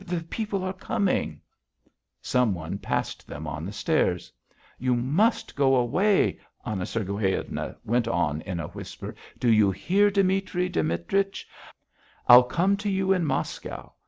The people are coming " Some one passed them on the stairs. "You must go away," Anna Sergueyevna went on in a whisper. "Do you hear, Dimitri Dimitrich? I'll come to you in Moscow.